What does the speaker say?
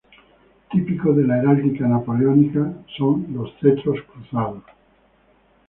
Típico de la heráldica napoleónica son los cetros cruzados.